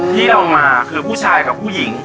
ที่เรามาคือผู้ชายกับผู้หญิง